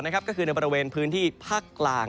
ก็คือในบริเวณพื้นที่ภาคกลาง